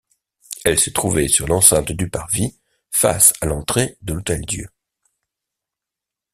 Elle se trouvait sur l'enceinte du parvis, face à l'entrée de l'Hôtel-Dieu.